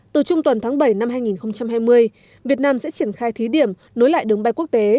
từ trung tuần tháng bảy năm hai nghìn hai mươi việt nam sẽ triển khai thí điểm nối lại đường bay quốc tế